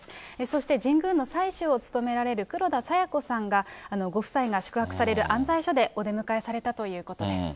そして、神宮の祭主を務められる黒田清子さんが、ご夫妻が宿泊される行在所でお出迎えされたということです。